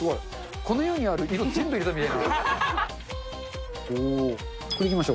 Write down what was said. この世にある色、全部入れたみたいな。